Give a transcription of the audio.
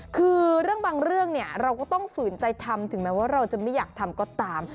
คือเรื่องบางเรื่องเนี่ยเราก็ต้องฝืนใจทำถึงแม้ว่าเราจะไม่อยากทำก็ตาม